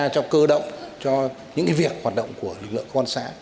cho cơ động cho những việc hoạt động của lực lượng công an xã